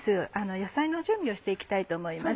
野菜の準備をして行きたいと思います。